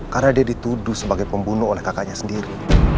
karena dia dituduh sebagai pembunuh oleh kakaknya sendiri